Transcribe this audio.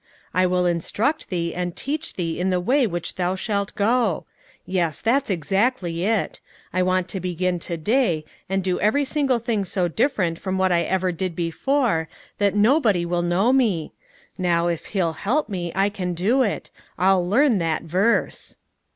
'I will instruct thee, and teach thee in the way which thou shalt go.' Yes, that's exactly it. I want to begin to day, and do every single thing so different from what I ever did before, that nobody will know me. Now, if He'll help me, I can do it. I'll learn that verse."